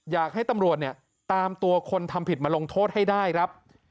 อยากให้ตำรวจเนี่ยตามตัวคนทำผิดมาลงโทษให้ได้ครับ